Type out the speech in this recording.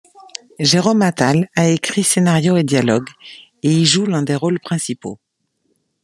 Jérôme Attal a écrit scénario et dialogues, et y joue l'un des rôles principaux.